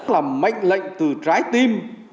làm mạnh lệnh từ trái tim